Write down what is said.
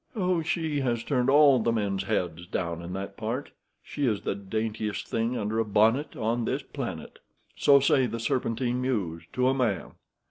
"Oh, she has turned all the men's heads down in that part. She is the daintiest thing under a bonnet on this planet. So say the Serpentine Mews, to a man.